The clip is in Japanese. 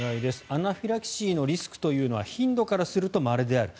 アナフィラキシーのリスクというのは頻度からするとまれである。